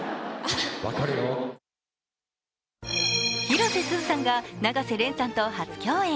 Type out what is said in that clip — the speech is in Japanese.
広瀬すずさんが永瀬廉さんと初共演。